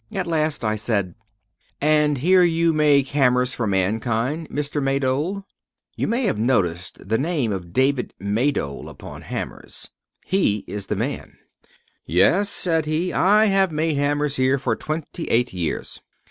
At last I said, "And here you make hammers for mankind, Mr. Maydole?" You may have noticed the name of David Maydole upon hammers. He is the man. "Yes," said he, "I have made hammers here for twenty eight years."